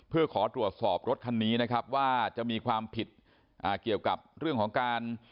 เพื่อขอตรวจสอบรถคันนี้นะครับว่าจะมีความผิดเกี่ยวกับเรื่องของการ